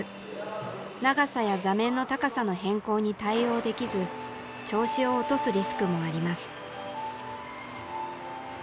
長さや座面の高さの変更に対応できず調子を落とすリスクもあります。